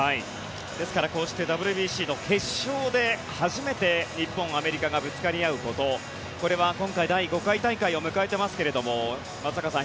ですからこうしてＷＢＣの決勝で初めて日本、アメリカがぶつかり合うことこれは今回第５回大会を迎えていますが松坂さん